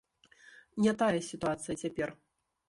Не тая сітуацыя цяпер.